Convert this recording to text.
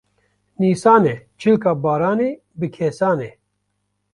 Nîsan e çilka baranê bi kêsane